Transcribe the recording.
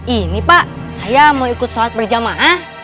ini pak saya mau ikut sholat berjamaah